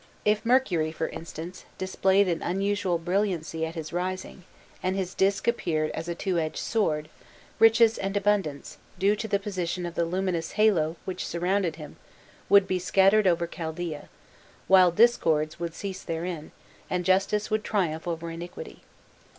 If Mercury, for instance, displayed an unusual brilliancy at his rising, and his disk appeared as a two edged sword, riches and abundance, due to the position of the luminous halo which surrounded him, would be scattered over Chaldaea, while discords would cease therein, and justice would triumph over iniquity.